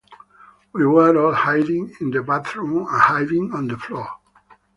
We were all hiding in the bathroom and hiding on the floor.